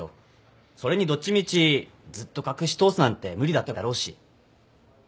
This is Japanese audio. それにどっちみちずっと隠し通すなんて無理だっただろうし。